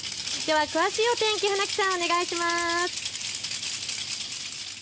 詳しいお天気、船木さんお願いします。